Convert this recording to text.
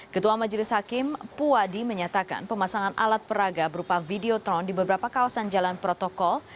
ketua majelis hakim puwadi menyatakan pemasangan alat peraga berupa videotron di beberapa kawasan jalan protokol